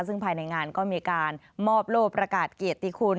ซึ่งภายในงานก็มีการมอบโลกประกาศเกียรติคุณ